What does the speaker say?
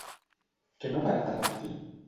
Què no para de repetir?